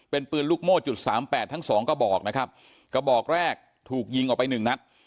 เป็นปืนลูกโม่จุดสามแปดทั้งสองกระบอกนะครับกระบอกแรกถูกยิงออกไปหนึ่งนัด